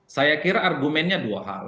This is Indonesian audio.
saya kira argumennya dua hal